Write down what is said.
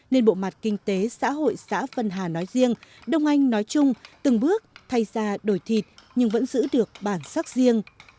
nên bộ mặt kinh tế xã hội xã vân hà nói riêng đông anh nói chung từng bước thay ra đổi thịt nhưng vẫn giữ được bản sắc riêng